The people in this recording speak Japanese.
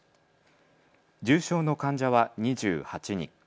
重症の患者は２８人。